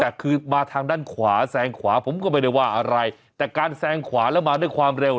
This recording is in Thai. แต่คือมาทางด้านขวาแซงขวาผมก็ไม่ได้ว่าอะไรแต่การแซงขวาแล้วมาด้วยความเร็ว